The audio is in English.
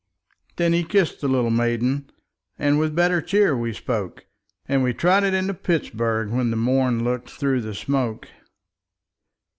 Then he kissed the little maiden, And with better cheer we spoke, And we trotted into Pittsburg, When the morn looked through the smoke.